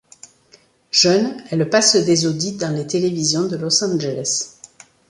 Jeune elle passe des audits dans les télévisions de Los Angeles.